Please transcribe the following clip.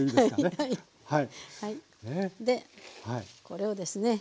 これをですね